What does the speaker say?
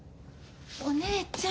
お姉ちゃん！